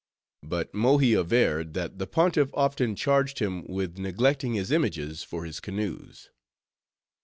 But Mohi averred, that the Pontiff often charged him with neglecting his images, for his canoes.